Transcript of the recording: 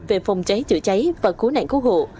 về phòng cháy chữa cháy và cố nạn cố hộ